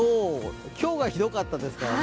今日がひどかったですからね。